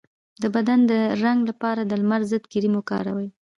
د بدن د رنګ لپاره د لمر ضد کریم وکاروئ